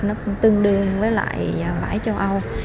nó cũng tương đương với lại vải châu âu